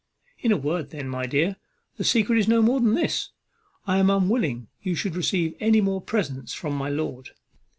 In a word then, my dear, the secret is no more than this; I am unwilling you should receive any more presents from my lord."